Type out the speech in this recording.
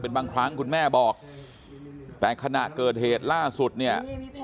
เป็นบางครั้งคุณแม่บอกแต่ขณะเกิดเหตุล่าสุดเนี่ย